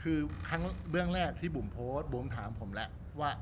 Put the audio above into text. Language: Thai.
คือครั้งเรื่องแรกที่บุ๋มโพสต์บุ๋มถามผมแล้วว่า